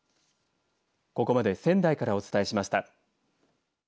ここまで仙台からお伝えしました。